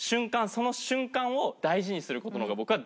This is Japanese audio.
その瞬間を大事にする事の方が僕は大事だと。